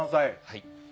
はい。